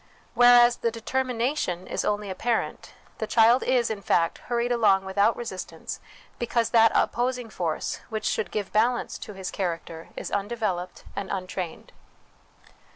Whereas the determination is only apparent ; the child is, in fact, hurried along without resistance, because that oppos ing force which should give balance to his character is undeveloped and untrained.